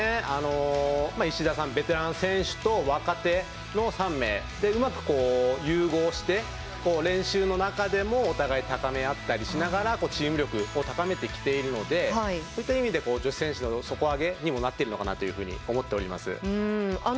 石田さん、ベテラン選手と若手の３名でうまく融合して練習の中でもお互い高め合ったりしながらチーム力を高めてきているのでそういった意味で女子選手の底上げにもなっているのかなと思っております。